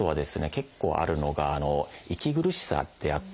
結構あるのが息苦しさってあって。